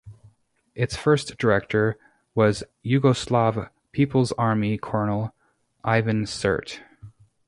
Its first director was Yugoslav People's Army colonel Ivan Sert.